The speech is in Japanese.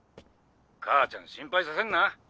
母ちゃん心配させんな。